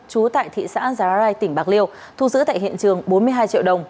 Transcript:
trú tại thị xã giá rai tỉnh bạc liêu thu giữ tại hiện trường bốn mươi hai triệu đồng